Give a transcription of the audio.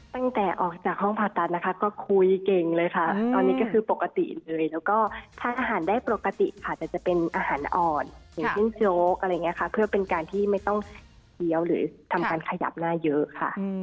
ตั้งแต่ออกจากห้องผ่าตัดนะคะก็คุยเก่งเลยค่ะตอนนี้ก็คือปกติเลยแล้วก็ทานอาหารได้ปกติค่ะแต่จะเป็นอาหารอ่อนอย่างเช่นโจ๊กอะไรอย่างนี้ค่ะเพื่อเป็นการที่ไม่ต้องเคี้ยวหรือทำการขยับหน้าเยอะค่ะ